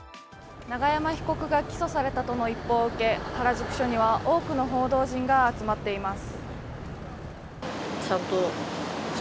永山被告が起訴されたとの一報を受け、原宿署には多くの報道陣が集まっています。